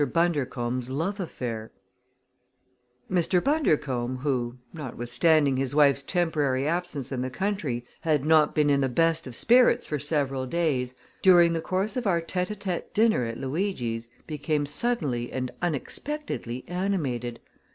BUNDERCOMBE'S LOVE AFFAIR Mr. Bundercombe who, notwithstanding his wife's temporary absence in the country, had not been in the best of spirits for several days, during the course of our tête à tête dinner at Luigi's became suddenly and unexpectedly animated.